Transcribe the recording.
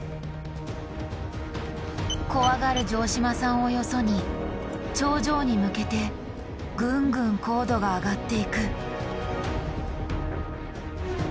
怖がる城島さんをよそに頂上に向けてぐんぐん高度が上がっていく。